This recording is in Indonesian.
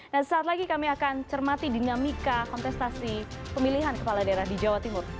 nah saat lagi kami akan cermati dinamika kontestasi pemilihan kepala daerah di jawa timur